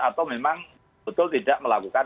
atau memang betul tidak melakukan